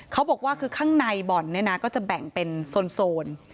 เขาบอกว่าคือข้างในบอลจะแบ่งเป็นโซน